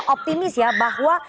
optimis ya bahwa